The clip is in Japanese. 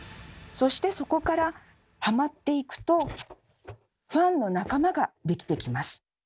そしてそこからハマっていくとファンの「仲間」ができてきます。